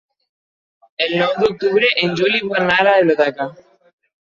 El nou d'octubre en Juli vol anar a la biblioteca.